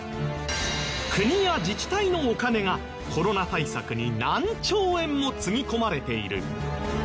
国や自治体のお金がコロナ対策に何兆円もつぎ込まれている。